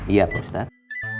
iya pak ustadz